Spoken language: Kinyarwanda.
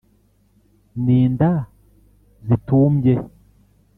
n'inda zitumbye